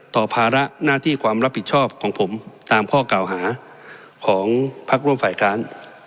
ภาระหน้าที่ความรับผิดชอบของผมตามข้อกล่าวหาของพักร่วมฝ่ายค้าน